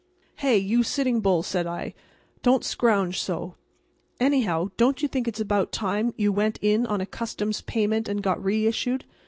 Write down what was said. "Hey, you Sitting Bull," says I, "don't scrouge so. Anyhow, don't you think it's about time you went in on a customs payment and got reissued?